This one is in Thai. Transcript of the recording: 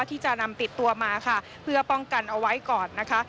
ที่จะนำติดตัวมาค่ะเพื่อป้องกันเอาไว้ก่อนนะคะ